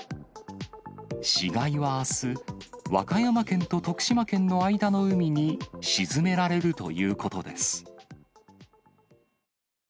死骸はあす、和歌山県と徳島県の間の海に沈められるということです。